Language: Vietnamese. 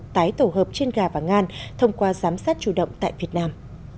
tái tổ hợp trên gà và ngan thông qua giám sát chủ động tại việt nam